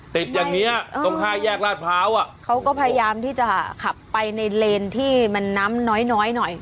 อย่างนี้ตรงห้าแยกลาดพร้าวอ่ะเขาก็พยายามที่จะขับไปในเลนที่มันน้ำน้อยน้อยหน่อย